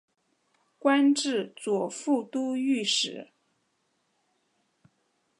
官至左副都御史。